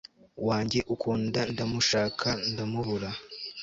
wanjye ukunda ndamushaka ndamubura